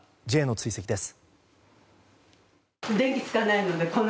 Ｊの追跡です。